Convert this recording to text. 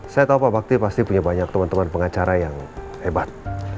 saya tahu pak bakti pasti punya banyak teman teman pengacara yang hebat